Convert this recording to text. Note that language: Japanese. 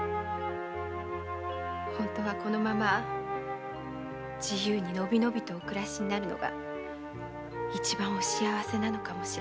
本当はこのまま自由にのびのびお暮らしになるのが一番お幸せなのかもしれません。